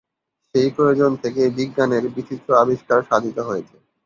সেই প্রয়োজন থেকেই বিজ্ঞানের বিচিত্র আবিষ্কার সাধিত হয়েছে।